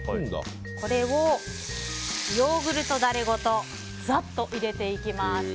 これをヨーグルトダレごとざっと入れてきます。